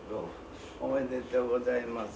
おめでとうございます。